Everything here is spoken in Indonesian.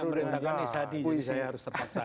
soalnya yang merintahkan isadi jadi saya harus terpaksa